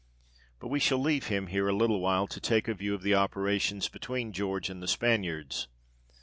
But we shall leave him here a little while, to take a view of the operations between George and the Spaniards.